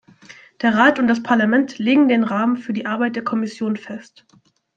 Der Rat und das Parlament legen den Rahmen für die Arbeit der Kommission fest.